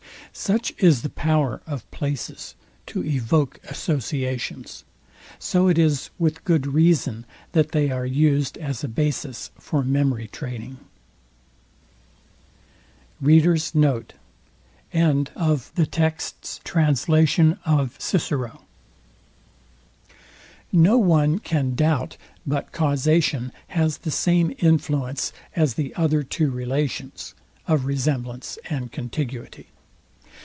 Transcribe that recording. "Such is the power of places to evoke associations; so it is with good reason that they are used as a basis for memory training."} No one can doubt but causation has the same influence as the other two relations; of resemblance and contiguity.